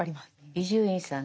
伊集院さん